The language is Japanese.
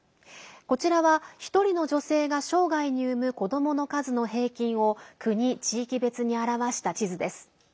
こちらは、１人の女性が生涯に産む子どもの数の平均を国、地域別に表した地図です。